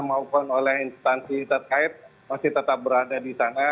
maupun oleh instansi terkait masih tetap berada di sana